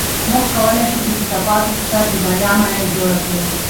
موږ کولی شو د کثافاتو په سر د بریا ماڼۍ جوړه کړو.